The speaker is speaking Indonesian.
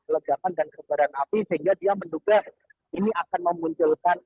ledakan dan kebaran api sehingga dia menduga ini akan memunculkan